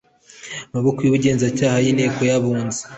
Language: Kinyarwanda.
maboko y ubugenzacyaha Inteko y Abunzi